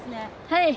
はい。